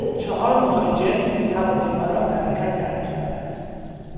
چهار موتور جت این هواپیما را به حرکت در میآورد.